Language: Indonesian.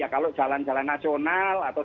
kalau jalan jalan nasional atau